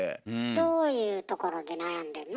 どういうところで悩んでんの？